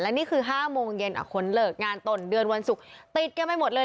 นี่คือ๕โมงเย็นคนเลิกงานตนเดือนวันศุกร์ติดกันไปหมดเลย